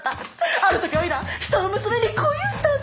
ある時おいら人の娘に恋をしたんだ。